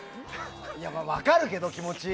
分かるけど、気持ち。